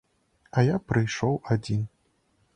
А я прыйшоў адзін.